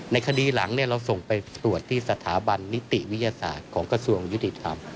ในคดีหลังเราส่งไปตรวจที่สถาบันนิติวิทยาศาสตร์ของกระทรวงยุติธรรม